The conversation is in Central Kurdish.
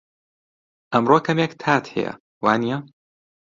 ئەمڕۆ کەمێک تات هەیە، وانییە؟